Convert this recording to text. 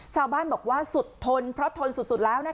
ชาวบ้านบอกว่าสุดทนเพราะทนสุดแล้ว